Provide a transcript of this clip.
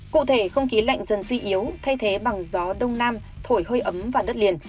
cụ thể không khí lạnh dần suy yếu thay thế bằng gió đông nam thổi hơi ấm vào đất liền